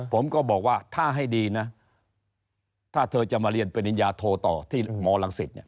ผมก็บอกว่าถ้าให้ดีนะถ้าเธอจะมาเรียนปริญญาโทต่อที่หมอลังศิษย์เนี่ย